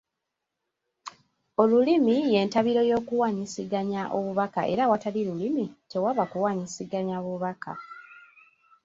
Olulimi y’entabiro y’okuwaanyisiganya obubaka era awatali lulimi tewaba kuwaanyisiganya bubaka.